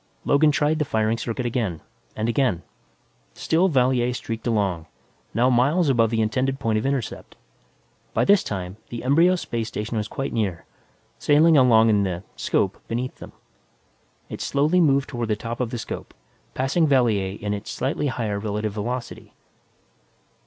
Logan tried the firing circuit again, and again. Still Valier streaked along, now miles above the intended point of intercept. By this time, the embryo space station was quite near, sailing along in the 'scope beneath them. It slowly moved toward the top of the 'scope, passing Valier in its slightly higher relative velocity.